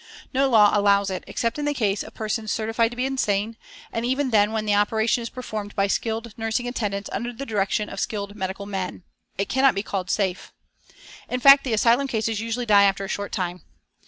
No law allows it except in the case of persons certified to be insane, and even then when the operation is performed by skilled nursing attendants under the direction of skilled medical men, it cannot be called safe. In fact, the asylum cases usually die after a short time.